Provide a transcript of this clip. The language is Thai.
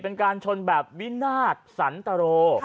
เป็นการชนแบบวินาศสันตโร